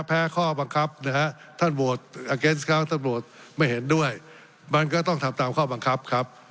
แพ้ข้อบังคับนะฮะท่านโหวตท่านโหวตไม่เห็นด้วยมันก็ต้องทำตามข้อบังคับครับ